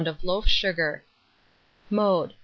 of loaf sugar. Mode.